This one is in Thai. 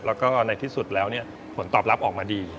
แล้วก็ในที่สุดแล้วผลตอบรับออกมาดี